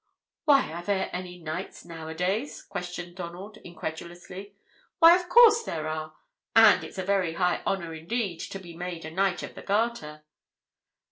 "Why, are there any Knights nowadays?" questioned Donald, incredulously. "Why, of course there are; and it's a very high honor, indeed, to be made a Knight of the Garter."